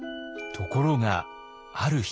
ところがある日。